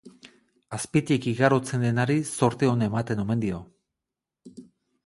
Azpitik igarotzen denari zorte on ematen omen dio.